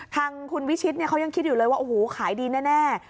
ทางคุณวิชิตเขายังคิดอยู่เลยว่าโอ้โหขายดีแน่